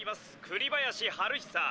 栗林晴久。